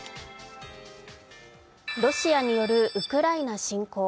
ロシアによるウクライナ侵攻。